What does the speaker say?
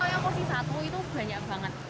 yang porsi satu itu banyak banget